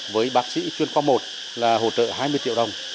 với bác sĩ chuyên khoa một là hỗ trợ hai mươi triệu đồng